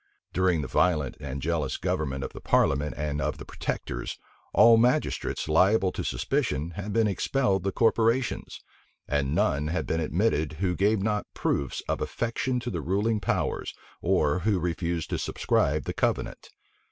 During the violent and jealous government of the parliament and of the protectors, all magistrates liable to suspicion had been expelled the corporations; and none had been admitted who gave not proofs of affection to the ruling powers, or who refused to subscribe the covenant.